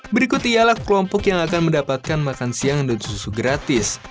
berikut ialah kelompok yang akan mendapatkan makan siang dan susu gratis